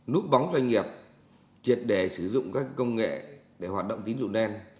núp bóng doanh nghiệp triệt để sử dụng các công nghệ để hoạt động tính dụng đen